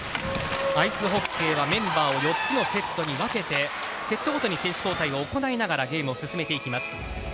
アイスホッケーはメンバーを４つのセットに分けてセットごとに選手交代を行いながらゲームを進めていきます。